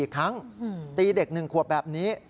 ๓๔ครั้งตีเด็กหนึ่งขวบแบบนี้